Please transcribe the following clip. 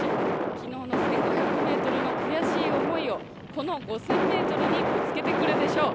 昨日の１５００ｍの悔しい思いをこの５０００ｍにぶつけてくるでしょう。